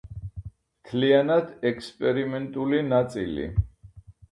მთლიანად ექსპერიმენტული ნაწილი.